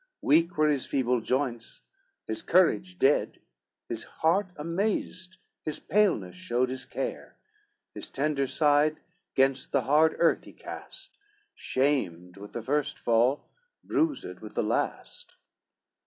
Weak were his feeble joints, his courage dead, His heart amazed, his paleness showed his care, His tender side gainst the hard earth he cast, Shamed, with the first fall; bruised, with the last.